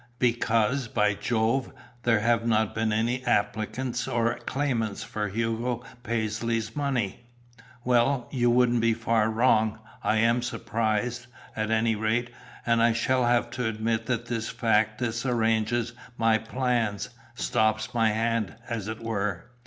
"Because, by Jove, there have not been any applicants or claimants for Hugo Paisley's money." "Well, you wouldn't be far wrong. I am surprised, at any rate, and I shall have to admit that this fact disarranges my plans, stops my hand, as it were."